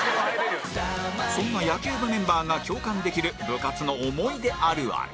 そんな野球部メンバーが共感できる部活の思い出あるある